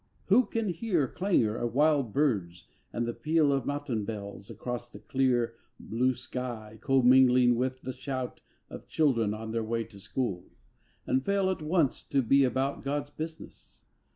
Who can hear Clangour of wild birds and the peal Of matin bells across the clear, Blue sky, commingling with the shout Of children on their way to school, And fail at once to be about God's business?